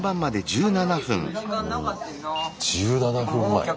１７分前。